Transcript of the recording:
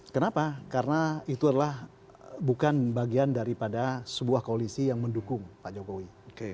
kenapa karena itu adalah bukan bagian daripada sebuah koalisi yang mendukung pak jokowi